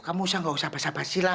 kamu usah nggak usah basah basih lah